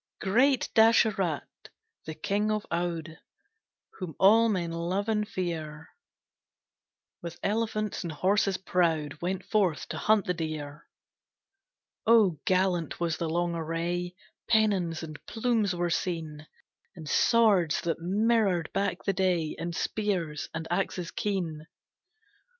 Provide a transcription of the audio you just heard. Great Dasarath, the King of Oude, Whom all men love and fear, With elephants and horses proud Went forth to hunt the deer. Oh gallant was the long array! Pennons and plumes were seen, And swords that mirrored back the day, And spears and axes keen.